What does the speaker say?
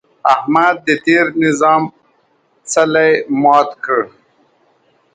احمد د تېر نظام څلی مات کړ.